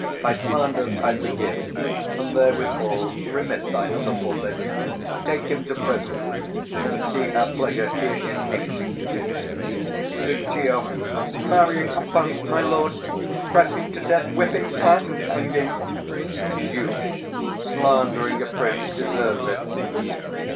Thy slanders I forgive; and therewithal Remit thy other forfeits. Take him to prison; And see our pleasure herein executed. Lucio. Marrying a punk, my lord, is pressing to death, 520 whipping, and hanging. Duke. Slandering a prince deserves it.